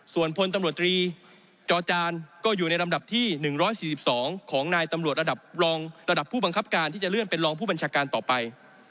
ส่วนพลตำรวจตรีจอจานก็อยู่ในลำดับที่๑๔๒ของนายตำรวจระดับรองระดับผู้บังคับการที่จะเลื่อนเป็นรองผู้บัญชาการต่อไป